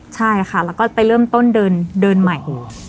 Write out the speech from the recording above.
ใช่ค่ะแล้วก็ไปเริ่มต้นเดินใหม่